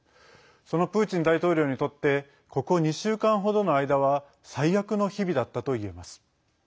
そのプーチン大統領にとってここ２週間ほどの間は最悪の日々だったといえます。